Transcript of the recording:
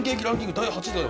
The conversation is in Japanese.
第８位だよ。